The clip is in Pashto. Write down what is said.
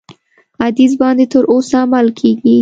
حدیث باندي تر اوسه عمل کیږي.